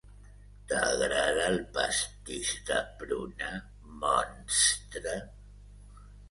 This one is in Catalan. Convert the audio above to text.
T'agrada el pastís de pruna, monstre?